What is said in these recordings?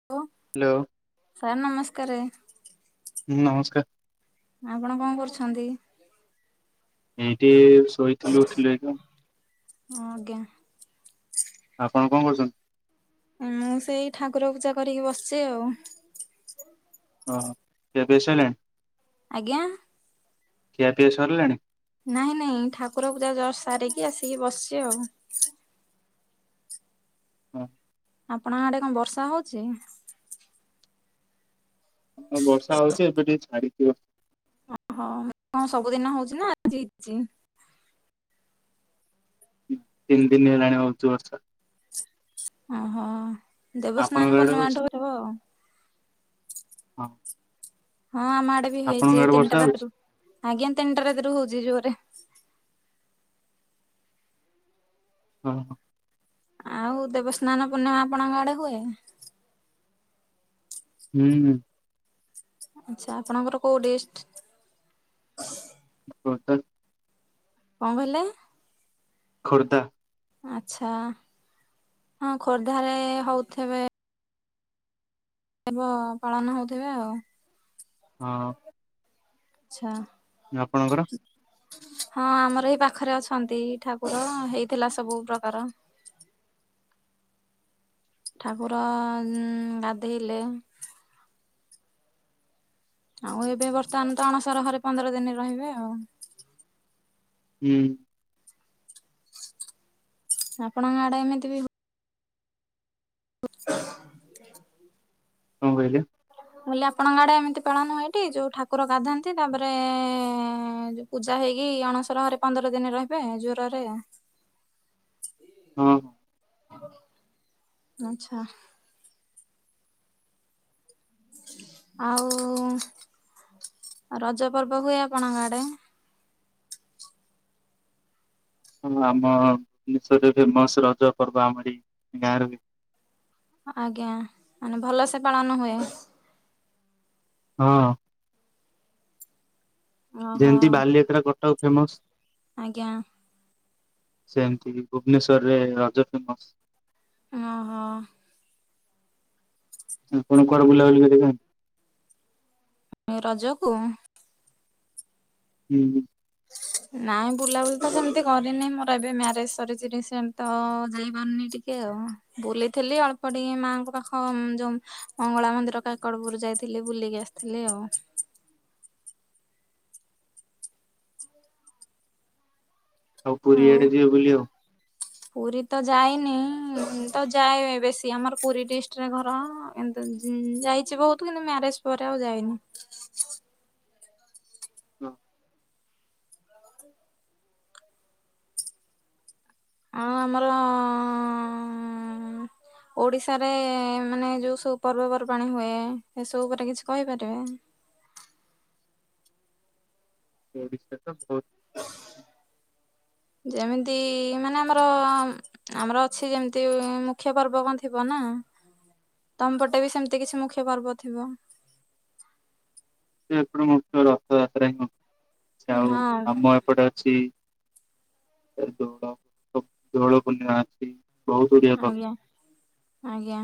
[unintelligible] ଲୋ। Sir ନମସ୍କାରେ। ହୁଁ ନମସ୍କାର୍। ଆପଣ କଣ କରୁଛନ୍ତି? ଏଇଠି ଶୋଇଥିଲୁ ଉଠିଲୁ ଏଇନା। ହଁ ଆଜ୍ଞା। ଆପଣ କଣ କରୁଚନ୍ତି? ମୁଁ ସେଇ ଠାକୁର ପୂଜା କରିକି ବସିଚି ଆଉ। ଓହୋ, ଖିଆ ପିଆ ସଇଲାଣି? ଆଜ୍ଞା। ଖିଆ ପିଆ ସରିଲାଣି? ନାଇଁ ନାଇଁ ଠାକୁର ପୂଜା ଜଷ୍ଟ ସାରିକି ଆସିକି ବସିଚି ଆଉ। [unintelligible] ଆପଣଙ୍କ ଆଡେ କଣ ବର୍ଷା ହଉଛି? ଅଁ ବର୍ଷା ହଉଚି ଏବେ ଟିକେ ଛାଡିିଥିବ। ଓହୋ କଣ ସବୁଦିନ ହଉଛି ନା ଆଜି ହେଇଛି। ତିନି ଦିନ ହେଲାଣି ହଉଚି ବର୍ଷା। ଓହୋ ଆପଣଙ୍କ ଦେବସ୍ନାନ ଆଡେ ହଉଛି ପୂର୍ଣ୍ଣିମାଠୁ ହଉଥିବ ଆଉ। ହଁ ହଁ ଆମ ଆଡେ ବି ଆପଣଙ୍କ ହେଇଚି ଆଡେ ବର୍ଷା ତିନିଟା ହଉଛି? ରାତିରୁ, ଆଜ୍ଞା ତିନିଟା ରାତିରୁ ହଉଚି ଜୋରରେ। ଅ ହ। ଆଉ ଦେବସ୍ନାନ ପୂର୍ଣ୍ଣିମା ଆପଣଙ୍କ ଆଡେ ହୁଏ? ହୁଁ। ଆଚ୍ଛା ଆପଣଙ୍କର କୋଉ ଡିଷ୍ଟ? ଖୋର୍ଦ୍ଧା। କଣ କହିଲେ? ଖୋର୍ଦ୍ଧା। ଆଚ୍ଛା ହଁ ଖୋର୍ଦ୍ଧାରେ ହଉଥେବେ ଦେବ ପାଳନ ହଉଥିବେ ଆଉ। ହଁ। ଆଚ୍ଛା। ଆପଣଙ୍କର? ହଁ ଆମର ଏଇ ପାଖରେ ଅଛନ୍ତି ଠାକୁର ହେଇଥିଲା ସବୁ ପ୍ରକାର। ଠାକୁର ଉଁ ଗାଧେଇଲେ। ଆଉ ଏବେ ବର୍ତ୍ତମାନ ତ ଅଣସର ଘରେ ପନ୍ଦର ଦିନ ରହିବେ ଆଉ। ହୁଁ। ଆପଣଙ୍କ ଆଡେ ଏମିତି ବି ହୁ କଣ କହିଲେ? ମୁଁ କହିଲି ଆପଣଙ୍କ ଆଡେ ଏମିତି ପାଳନ ହୁଏ ଟି ଯୋଉ ଠାକୁର ଗାଧାନ୍ତି ତାପରେ ଏ ଯଉ ପୂଜା ହେଇକି ଅଣସର ଘରେ ପନ୍ଦର ଦିନ ରହିବେ ଜ୍ୱରରେ। ହୁଁ। ଆଚ୍ଛା। ଆଉ ରଜ ପର୍ବ ହୁଏ ଆପଣଙ୍କ ଆଡେ? ହଁ ଆମ ଦେଶରେ ଫେମସ ରଜ ପର୍ବ ଆମରି ଗାଁ ର ବି ଆଜ୍ଞା, ମାନେ ଭଲ ସେ ପାଳନ ହୁଏ। ହଁ। ଓହୋ ଯେମତି ବାଲିଯାତ୍ରା କଟକ ଫେମସ୍। ଆଜ୍ଞା। ସେମିତି ଭୁବନେଶ୍ୱରରେ ରଜ ଫେମସ୍। ଓହୋ। ଆପଣ କୁଆଡେ ବୁଲାବୁଲି କରିବେ? ରଜକୁ ହୁଁ ହୁଁ। ନାଇଁ ବୁଲାବୁଲି ତ ସେମିତି କରିନି ମୋର ଏବେ ମ୍ୟାରେଜ ସରିଛି ରିସେଣ୍ଟତ ଯାଇପାରୁନି ଟି କେ ଆଉ ବୁଲିଥିଲି ଅଳ୍ପ ଟିକେ ମାଆଙ୍କ ପାଖ ଯୋଉଁ ମଙ୍ଗଳା ମନ୍ଦିର ପା ସକାଳପହରୁ ଯାଇଥିଲି ବୁଲିକି ଆସିଥିଲେ ଆଉ ଆଉ ପୁରୀଆଡେ ଆଡେ ଯିବେ ବୁଲି ଆଉ ପୁରୀ ତ ଯାଇନି ତ ଯାଏ ବେଶୀ ଆମର ପୁରୀ ଡିଷ୍ଟିରେ ଘର କିନ୍ତୁ ଯାଇଛି ବହୁତ କିନ୍ତୁ ମ୍ୟାରେଜ ପରେ ଆଉ ଯାଇନି ହଁ ଆଉ ଆମର ଓଡ଼ିଶାରେ ମାନେ ଯେଉ ସବୁ ପର୍ବପର୍ବାଣୀ ହୁଏ ଏସବୁ ଉପରେ କିଛି କହିପାରିବେ? ଓଡିଶା ତ ବହୁତ ଯେମିତି ମାନେ ଆମର ଆମର ଅଛି ଯେମିତି ମୁଖ୍ୟ ପର୍ବ କଣ ଥିବ ନା ତମପଟେବି ସେମିତି କିଛି ମୁଖ୍ୟ ପର୍ବ ଥିବ ଏପଟେ ମୁଖ୍ୟ ରଥଯାତ୍ରା ହିଁ ହଉଚି ଆଉ ହଁ ଆମ ଏପଟେ ଅଛି ଏ ଦୋଳ ଦୋଳ ପୂର୍ଣ୍ଣିମା ଅଛି। ବହୁତ ଗୁଡିଏ ପର୍ବ ଆଜ୍ଞା ଆଜ୍ଞା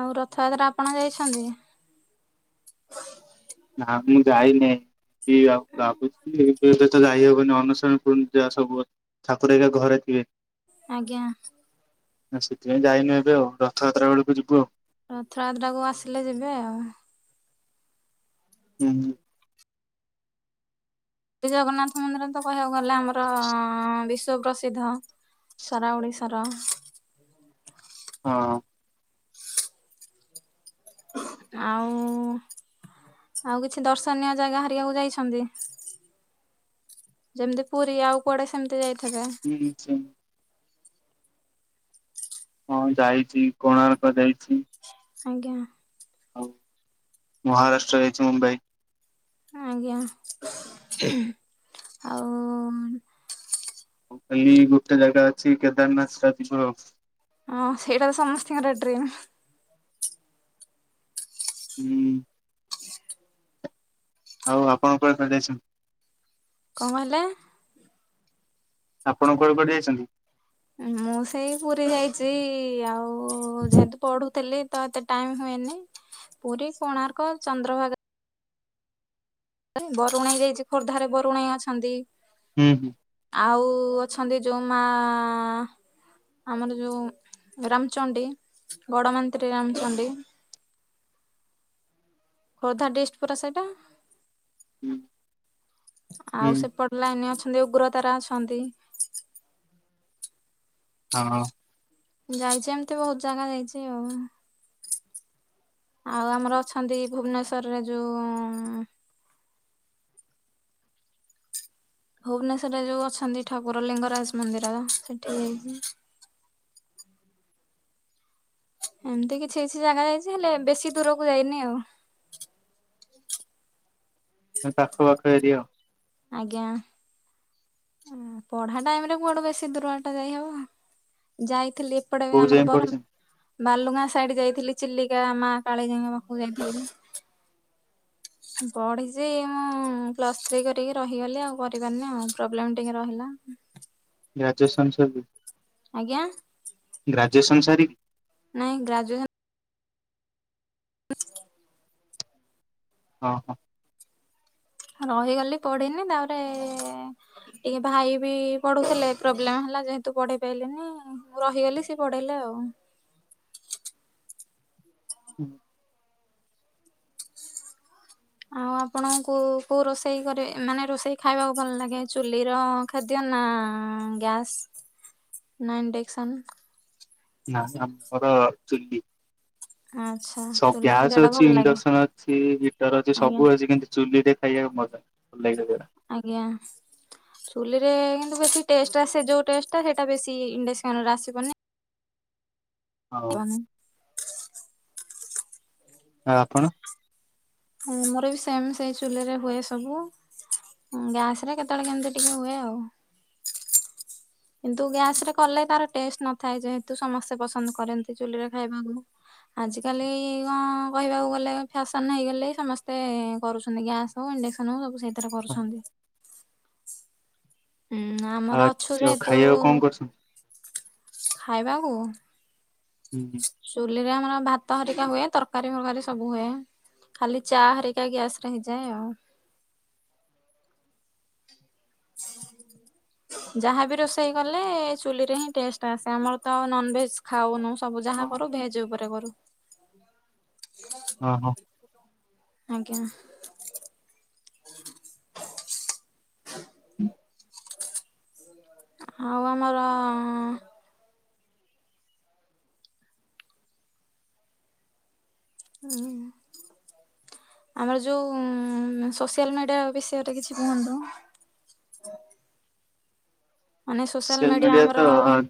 ଆଉ ରଥଯାତ୍ରା ଆପଣ ଯାଇଛନ୍ତି? ନାଁ ମୁଁ ଯାଇନି। କି ଆଉ ଭାବୁଥିଲି କିନ୍ତୁ ଏବେତ ଯାଇହବନି ଅନୁସରଣ କର ଯ ସବୁ ଅ ଠାକୁର ଏକା ଘରେ ଥିବେ। ଆଜ୍ଞା ନା ସେଥିପାଇଁ ଯାଇନୁ ଏବେ ଆଉ ରଥଯାତ୍ରା ବେଳକୁ ଯିବୁ ଆଉ। ରଥଯାତ୍ରାକୁ ଆସିଲେ ଯିବେ ଆଉ। ଉହୁଁ ଶ୍ରୀଜଗନ୍ନାଥ ମନ୍ଦିର ତ କହିବାକୁ ଗଲେ ଆମର ବିଶ୍ୱ ପ୍ରସିଦ୍ଧ। ସାରା ଓଡ଼ିଶାର ହଁ ଆଉ ଆଉ କିଛି ଦର୍ଶନୀୟ ଜାଗା ହାରିକାକୁ ଯାଇଛନ୍ତି? ଯେମିତି ପୁରୀ ଆଉ କୁଆଡେ ସେମିତି ଯାଇଥିବେ। ହୁ ସ [inaudible] ହଁ ଯାଇଚି କୋଣାର୍କ ଯାଇଛି। ଆଜ୍ଞା। ଆଉ ମହାରାଷ୍ଟ୍ର ଯାଇଛି ମୁମ୍ବାଇ। ଆଜ୍ଞା ଆଉ କାଲି ଗୋଟେ ଜାଗା ଅଛି କେଦାରନାଥ ଷ୍ଟା ଯିବ। ଓଁ ସେଇଟା ତ ସମସ୍ତିଙ୍କର ଡ୍ରିମ୍। ହୁଁ ଆଉ ଆପଣ କୁଆଡେ କୁଆଡେ ଯାଇଚନ୍ତି? କଣ କହିଲେ? ଆପଣ କୁଆଡେ କୁଆଡେ ଯାଇଚନ୍ତି? ମୁଁ ସେଇ ପୁରୀ ଯାଇଚି। ଆଉ ଯେହେତୁ ପଢୁଥିଲି ତ ଏତେ ଟାଇମ୍ ହୁଏନି। ପୁରୀ କୋଣାର୍କ ଚନ୍ଦ୍ରଭାଗା। ବରୁଣେଇ ଯାଇଚି। ଖୋର୍ଦ୍ଧାରେ ବରୁଣେଇ ଅଛନ୍ତି। ହୁଁ ହୁଁ। ଆଉ ଅଛନ୍ତି ଯୋଉ ମା ଆମର ଯଉଁ ରାମଚଣ୍ଡୀ ବଡ଼ ମାନ୍ତ୍ରୀ ରାମଚଣ୍ଡୀ। ଖୋର୍ଦ୍ଧା ଡିଷ୍ଟ ପରା ସେଇଟା ହୁଁ ଆଉ ସେପ ଲାଇନ ଅଛନ୍ତି, ଉଗ୍ରତାରା ଅଛନ୍ତି। ହଁ ହଁ। ଯାଉଚି ଏମତି ବହୁତ ଜାଗା ଯାଇଚି ଆଉ। ଆଉ ଆମର ଅଛନ୍ତି ଭୁବନେଶ୍ୱରରେ ଯୋଉ ଭୁବନେଶ୍ୱରରେ ଯୋଉ ଅଛନ୍ତି ଠାକୁର ଲିଙ୍ଗରାଜ ମନ୍ଦିର ସେଠିକି ଯାଇଚି। ଏମତି କିଛି ଏଛି ଜାଗା ଯାଇଚି ହେଲେ ବେଶୀ ଦୂରକୁ ଯାଇନି ଆଉ। ପାଖ ପାଖ ଏରିଆ। ଆଜ୍ଞା। ପଢା ଟାଇମରେ କୁଆଡୁ ବେଶୀ ଦୂର ବାଟ ଯାଇହବ। ଯାଇଥିଲି ଏପଟେ କୋଉ ଆମର ଯାଏଁ ବର ପଢିଛନ୍ତି ବାଲୁଙ୍ଗା ସାଇଡ ଯାଇଥିଲି ଚିଲିକା ମା କାଳିଜାଇଙ୍କ ପାଖକୁ ଯାଇଥିଲି। ପଢିଚି ମୁଁ ପ୍ଲସ୍ ଥ୍ରୀ କରି ଟିକେ ରହିଗଲି ଆଉ କରିପାରିନି ଆଉ ପ୍ରୋବ୍ଲେମ ଟିକେ ରହିଲା। ଗ୍ରାଜୁଏସନ ସରବି। ଆଜ୍ଞା। ଗ୍ରାଜୁଏସନ୍ ସାରି ନାଇଁ ଗ୍ରାଜୁଏସନ [inaudible] ଅହ ରହିଗଲି ପଢିନି ତାବରେ ଏ ଭାଇ ବି ପଢୁଥିଲେ ପ୍ରୋବ୍ଲେମ ହେଲା ଯେହେତୁ ପଢି ପାଇଲିନି ମୁଁ ରହିଗଲି ସିଏ ପଢ଼ିଲେ ଆଉ। ଉଁ। ଆଉ ଆପଣଙ୍କୁ କୋଉ କୋଉ ରୋଷେଇ କରେ ମାନେ ରୋଷେଇ ଖାଇବାକୁ ଭଲ ଲାଗେ? ଚୁଲି ର ଖାଦ୍ୟ ନା ଗ୍ୟାସ୍ ନା ଇଣ୍ଡକ୍ସନ୍? ନା ନା ଆମର ଚୁଲି। ଆଚ୍ଛା। ସବ ଚୁଲି ଖାଦ୍ୟ ଗ୍ୟାସ ଟା ଅଛି, ଭଲ ଲାଗେ ଇଣ୍ଡକ୍ସନ ଅଛି, ହିଟର ଅଛି, ଆଜ୍ଞା ସବୁ ଅଛି କିନ୍ତୁ ଚୁଲି ରେ ଖାଇବାକୁ ମଜା ଲାଗିବଜଉରା। ଆଜ୍ଞା। ଚୁଲିରେ କିନ୍ତୁ ବେଶୀ ଟେଷ୍ଟ ଆସେ ଯୋଉ ଟେଷ୍ଟ ଟା ସେଇଟା ବେଶୀ ଇଣ୍ଡେସନରେ ଆସିବନି। ହଁ [unintelligible] ଆଉ ଆପଣ? ଆମର ବି ସେମ ସେଇ ଚୁଲିରେ ହୁଏ ସବୁ। ଗ୍ୟାସ ରେ କେତେବେଳେ କେମତି ଟିକେ ହୁଏ ଆଉ। କିନ୍ତୁ ଗ୍ୟାସ ରେ କଲେ ତାର ଟେଷ୍ଟ ନଥାଏ ଯେହେତୁ ସମସ୍ତେ ପସନ୍ଦ କରନ୍ତି ଚୁଲିରେ ଖାଇବାକୁ। ଆଜିକାଲି ଗଁ କହିବାକୁ ଗଲେ ଫ୍ୟାସନ୍ ହେଇଗଲେ ସମସ୍ତେ କରୁଚନ୍ତି ଗ୍ୟାସ୍ ହୋଉ ଇଣ୍ଡେକ୍ସନ ହୋଉ ସବୁ ସେଇଥିରେ କରୁଚନ୍ତି। ହୁଁ ଆମର ଆଉ ଅଛୁ ଯଉ ଯେହେତୁ ଖାଇବାକୁ କଣ କରୁଛନ୍ତି? ଖାଇବାକୁ। ଉଁ ହୁଁ। ଚୁଲିରେ ଆମର ଭାତ ହେରିକା ହୁଏ। ତରକାରୀ ଫରକାରୀ ସବୁ ହୁଏ। ଖାଲି ଚା ହାରିକା ଗ୍ୟାସ ର ହେଇଯାଏ ଆଉ। ଯାହା ବି ରୋଷେଇ କଲେ ଚୁଲିରେ ହିଁ ଟେଷ୍ଟ୍ ଆସେ। ଆମର ତ ଆଉ ନନ୍ଭେଜ ଖାଉନୁ ସବୁ। ଯାହା ହଁ କରୁ ଭେଜ୍ ଉପରେ କରୁ। ହଁ ହଁ। ଆଜ୍ଞା। ହୁଁ। ଆଉ ଆମର ଉଁ। ଆମର ଯୋଉ ସୋସିଆଲ ମିଡିଆ ବିଷୟରେ କିଛି କୁହନ୍ତୁ। ସୋସିଆଲ ମିଡିଆ ତ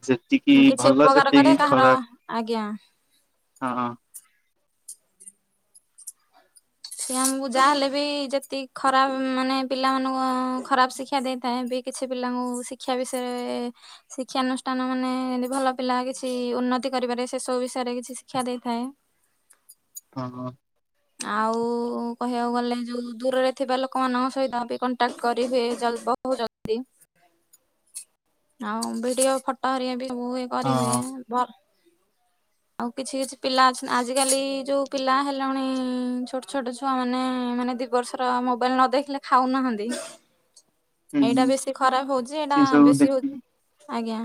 ଯେତିକି କିଛି ଭଲ ଉପକାର କରେ ସେତିକି କାହାର ଖରାପ। ଆଜ୍ଞା। ହଁ ହଁ। ସିଏ ଆମକୁ ଯାହା ହେଲେ ବି ଯେତିକି ଖରାପ ମାନେ ପିଲାମାନଙ୍କୁ ଖରାପ ଶିକ୍ଷା ଦେଇଥାଏ ବି। କିଛି ପିଲାଙ୍କୁ ଶିକ୍ଷା ବି-ସେ ଶିକ୍ଷାନୁଷ୍ଠାନ ମାନେ ଯେମିତି ଭଲ ପିଲା କିଛି ଉନ୍ନତି କରିପାରିବେ, ସେ ସବୁ ବିଷୟରେ କିଛି ଶିକ୍ଷା ଦେଇଥାଏ। ହଁ ହଁ। ଆଉ କହିବାକୁ ଗଲେ ଯୋଉ ଦୂରରେ ଥିବା ଲୋକମାନଙ୍କ ସହିତ ବି କଣ୍ଟାକ୍ଟ କରିହୁଏ। ଚାଲିବ ବହୁ ଜଦି ଆଉ ଭିଡିଓ ଫଟୋ ହେରିକା ବି ସବୁ ହୁଏ, କରି ହୁଏ। ହଁ ଭ ଆଉ କିଛି କିଛି ପିଲା ଅଛ, ଆଜିକାଲି ଯେଉଁ ପିଲା ହେଲାଣି ଛୋଟ ଛୋଟ ଛୁଆମାନେ ମାନେ ଦି ବର୍ଷର ମୋବାଇଲ ନ ଦେଖିଲେ ଖାଉନାହାନ୍ତି। ଏଇଟା ହୁଁ ବେଶି ଖରାପ ହଉଛି। ଏଇଟା ସେ ସବୁ ବେଶି ଦେଖିବି। ହଉଛି। ଆଜ୍ଞା।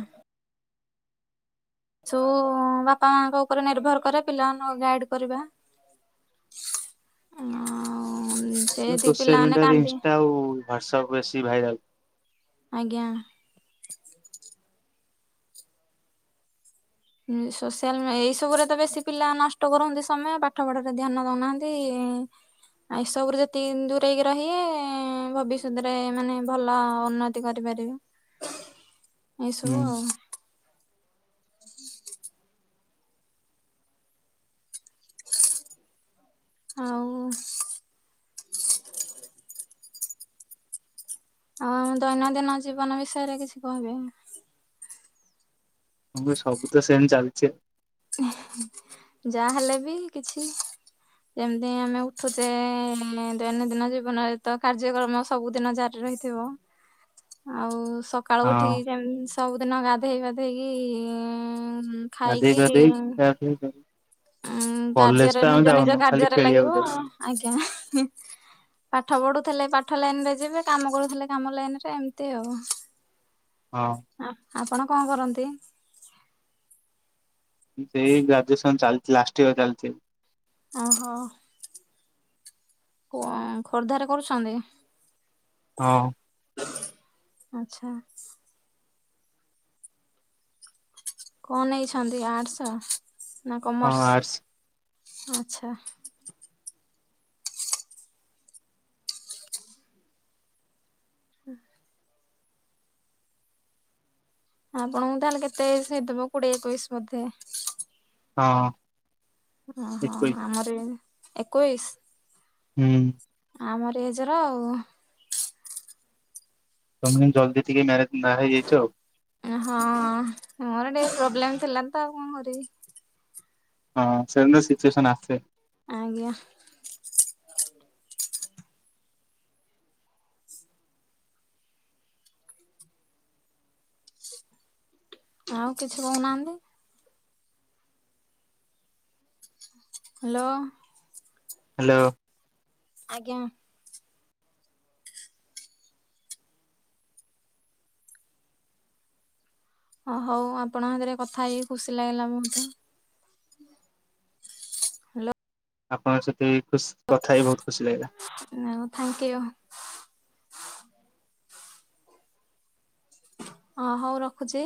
ସବୁ ବାପା, ମାଙ୍କ ଉପରେ ନିର୍ଭର କରେ ପିଲାମାନଙ୍କୁ ଗାଇଡ୍ କରିବା। ଆଉ ସେ ଯେତିକି ସୋସିଆଲ ପିଲାମାନେ ମିଡିଆରେ କାନ୍ଦି ଇନଷ୍ଟା ଆଉ ହ୍ୱାଟ୍ସଆପ୍ ବେଶି ଭାଇରାଲ। ଆଜ୍ଞା। ସୋସିଆଲ ଏଇ ସବୁରେ ତ ବେଶି ପିଲା ନଷ୍ଟ କରନ୍ତି ସମୟ, ପାଠ ପଢରେ ଧ୍ୟାନ ଦଉନାହାନ୍ତି। ଏସବୁରେ ଯେତିକି ଦୂରେଇ କି ରହିବେ, ଭବିଷ୍ୟତରେ ମାନେ ଭଲ ଉନ୍ନତି କରିପାରିବେ। ଏଇ ହୁଁ ସବୁ ଆଉ। ଆଉ। ଆଉ ଆମ ଦୈନନ୍ଦିନ ଜୀବନ ବିଷୟରେ କିଛି କହିବେ? ହଁ ସବୁ ତ ସେମ୍ ଚାଲିଚି ଆ। ଯାହା ହେଲେ ବି କିଛି ଯେମିତି ଆମେ ଉଠୁଛେ, ଦୈନନ୍ଦିନ ଜୀବନରେ ତ କାର୍ଯ୍ୟକ୍ରମ ସବୁଦିନ ଚା ରହିଥିବ। ଆଉ ସ ସକାଳୁ ହଁ ଉଠିକି ଯେମ୍ ସବୁଦିନ ଗାଧେଇ ପାଧେଇକି ଖାଇକି ଗାଧେଇ ପାଧେଇ [unintelligible] ଉଁ କଲେଜ ତ କାର୍ଯ୍ୟରେ ଆମେ ନିଜ ନିଜ ଯାଉନୁ ଖାଲି କାର୍ଯ୍ୟରେ ଲାଗିବ। ଖେଳିବାକୁ ଯାଉ ଆଜ୍ଞା। ପାଠ ପଢୁଥିଲେ ପାଠ ଲାଇନ ରେ ଯିବେ। କାମ କରୁଥିଲେ କାମ ଲାଇନରେ, ଏମିତି ଆଉ। ହଁ। ଆପଣ କଣ କରନ୍ତି? ସେଇ ଗ୍ରାଜୁଏସନ୍ ଚାଲିଚି, ଲାଷ୍ଟ ଇୟର୍ ଚାଲିଚି। ଓହୋ। କଣ ଖୋର୍ଦ୍ଧାରେ କରୁଛନ୍ତି? ହଁ। ଆଚ୍ଛା। କଣ ନେଇଛନ୍ତି ଆର୍ଟସ ନା ହଁ ଆର୍ଟସ କମର୍ସ ଆଚ୍ଛା। ଆପଣଙ୍କୁ ତାହେଲେ କେତେ ଏଜ୍ ହେଇଥିବ କୋଡିଏ ଏକୋଇଶି ବୋଧେ? ହଁ। ଓହୋ ଏକୋଇଶି ଆମରି ଏକୋଇଶ। ହୁଁ। ଆମରି ଏଜର ଆଉ। ତମେ ଜଲ୍ଦି ଟିକେ ମ୍ୟାରେଜ ବାହା ହେଇଯାଇଚ। ହଁ ମୋର ଟିକେ ପ୍ରୋବ୍ଲେମ ଥିଲା ତ କଣ କରିବି। ହଁ ସେ ସିଚୁଏସନ୍ ଆସେ। ଆଜ୍ଞା। ଆଉ କିଛି କହୁନାହାନ୍ତି। ହାଲୋ। ହାଲୋ। ଆଜ୍ଞା। ଓ ହଉ ଆପଣ ହତିରେ କଥା ହେଇକି ଖୁସି ଲାଗିଲା ବହୁତ। ହାଲୋ। ଆପଣଙ୍କ ସହିତ ବି ଖୁସି କଥା ହେଇ ବହୁତ ଖୁସି ଲାଗିଲା। ଉଁ ଆଉ ଥ୍ୟାଙ୍କ ୟୁ। ଅ ହଉ ରଖୁଚି।